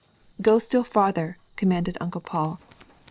^^Go still farther," commanded Uncle Paul.